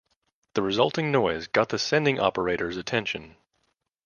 The resulting noise got the sending operator's attention.